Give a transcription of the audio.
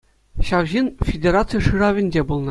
Ҫав ҫын федераци шыравӗнче пулнӑ.